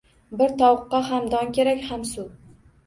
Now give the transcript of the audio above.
Bir tovuqqa ham don kerak, ham suv.